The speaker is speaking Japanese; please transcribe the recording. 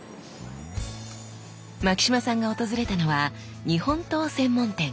牧島さんが訪れたのは日本刀専門店。